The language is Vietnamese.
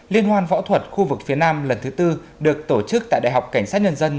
liên hoan võ thuật khu vực phía nam lần thứ tư được tổ chức tại đại học cảnh sát nhân dân